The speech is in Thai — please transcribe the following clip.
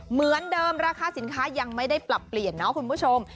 เหมือนเดิมราคาสินค้ายังไม่ได้ปรับเปลี่ยนเนาะคุณผู้ชม